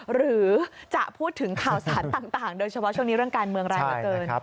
หรือจะพูดถึงข่าวสารต่างโดยเฉพาะช่วงนี้เรื่องการเมืองร้ายเหลือเกิน